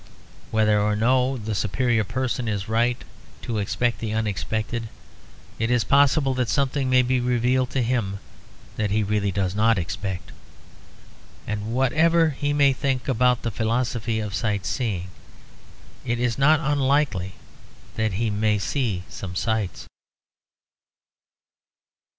Whether or no the superior person is right to expect the unexpected, it is possible that something may be revealed to him that he really does not expect. And whatever he may think about the philosophy of sight seeing, it is not unlikely that he may see some sights.